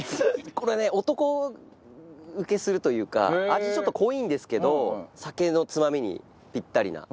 これね男ウケするというか味ちょっと濃いんですけど酒のつまみにピッタリな。